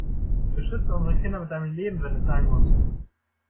Beschütze unsere Kinder mit deinem Leben wenn es sein muss.